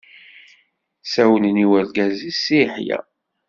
Ssawlen i urgaz-is Si Yeḥya.